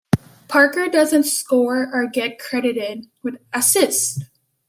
Parker doesn't score or get credited with assists.